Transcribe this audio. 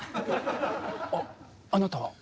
あっあなたは？